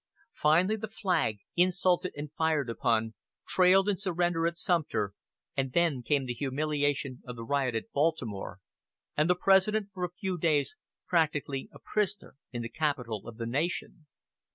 Finally the flag, insulted and fired upon, trailed in surrender at Sumter; and then came the humiliation of the riot at Baltimore, and the President for a few days practically a prisoner in the capital of the nation.